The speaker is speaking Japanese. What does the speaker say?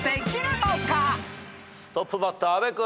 トップバッター阿部君。